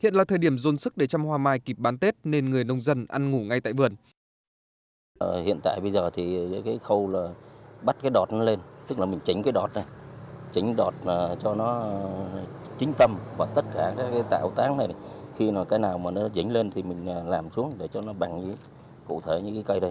hiện là thời điểm dồn sức để chăm hoa mai kịp bán tết nên người nông dân ăn ngủ ngay tại vườn